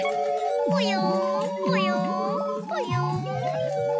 ぽよんぽよんぽよん。